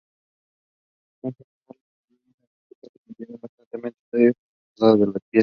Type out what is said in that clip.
En general, las melodías y armonías se mantienen bastante estáticas en toda la pieza.